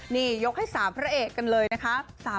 นี่ยกให้๓พระเอกกันเลยนะคะ